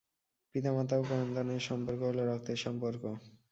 পিতা মাতা ও সন্তানের সম্পর্ক হলো রক্তের সম্পর্ক।